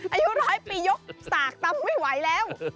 อายุร้อยปียกสากตำไม่ไหวแล้ว